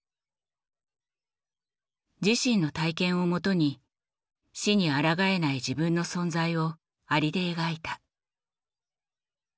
自身の体験をもとに死にあらがえない自分の存在を蟻で描いた。